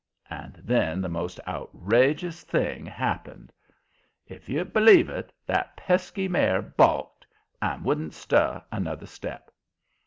And then the most outrageous thing happened. If you'll b'lieve it, that pesky mare balked and wouldn't stir another step.